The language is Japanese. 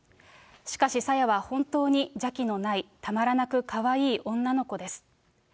しかしさやは、本当に邪気のない、たまらなくかわいい女の子です。